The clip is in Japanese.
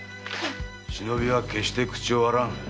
忍びは決して口を割らん。